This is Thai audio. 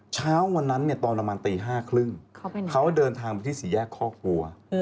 เช้าวันนั้นตอนประมาณตี๕๓๐เขาเดินทางไปที่สี่แยกคอกวัว